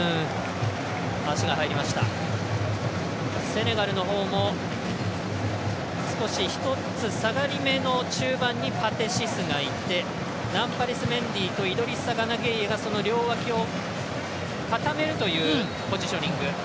セネガルのほうも少し一つ下がりめの中盤にパテ・シスがいてナンパリス・メンディとイドリッサ・ガナ・ゲイエがその両脇を固めるというポジショニング。